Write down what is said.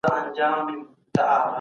نماینده ګي کول لوی مسؤلیت دی.